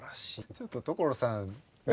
ちょっと所さん何か。